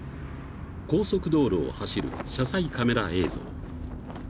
［高速道路を走る車載カメラ映像］